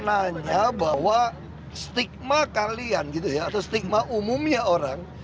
maknanya bahwa stigma kalian gitu ya atau stigma umumnya orang